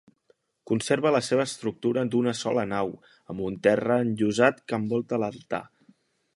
Conserva la seva estructura d'una sola nau, amb un terra enllosat que envolta l'altar.